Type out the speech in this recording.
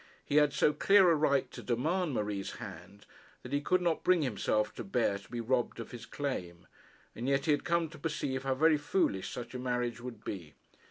He had so clear a right to demand Marie's hand, that he could not bring himself to bear to be robbed of his claim. And yet he had come to perceive how very foolish such a marriage would be.